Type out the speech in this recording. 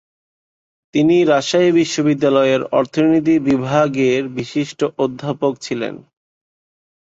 তিনি রাজশাহী বিশ্ববিদ্যালয়ের অর্থনীতি বিভাগের বিশিষ্ট অধ্যাপক ছিলেন।